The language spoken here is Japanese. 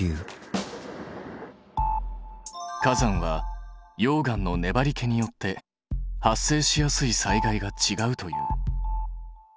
火山は溶岩のねばりけによって発生しやすい災害がちがうという。